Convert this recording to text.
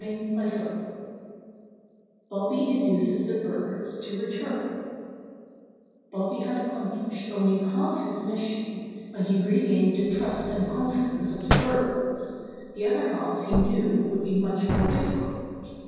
STORY XV Bobby Induces the Birds to Return Bobby had accomplished only half his mis sion when he regained the trust and confidence of the birds. The other half he knew would be much more difficult.